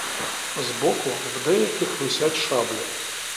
Збоку в деяких висять шаблі.